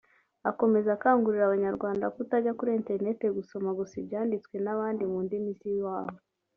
Akomeza akangurira Abanyarwanda kutajya kuri Internet gusoma gusa ibyanditswe n’abandi mu ndimi z’iwabo